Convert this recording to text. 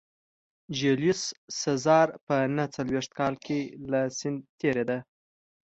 جیولیوس سزار په نهه څلوېښت کال کې له سیند تېرېده